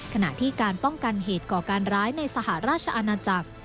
ขณะที่การป้องกันเหตุก่อการร้ายในสหราชอาณาจักร